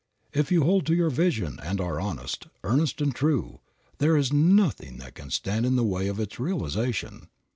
If you hold to your vision and are honest, earnest and true, there is nothing that can stand in the way of its realization.